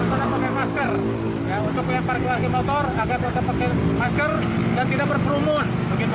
pakai masker untuk yang parkir parkir motor agar tidak pakai masker dan tidak berperumun